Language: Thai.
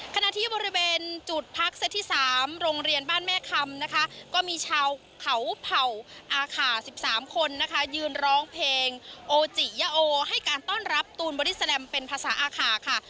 ขณะที่บริเวณจุดพักเซตที่๓โรงเรียนบ้านแม่คำนะคะก็มีชาวเขาเผ่าอาขา๑๓คนนะคะยืนร้องเพลงโอจิยะโอให้การต้อนรับตูนบอดี้แลมเป็นภาษาอาขาค่ะ